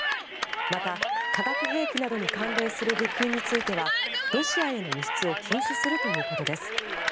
また、化学兵器などに関連する物品についてはロシアへの輸出を禁止するということです。